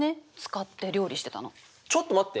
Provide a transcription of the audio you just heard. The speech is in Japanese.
ちょっと待って。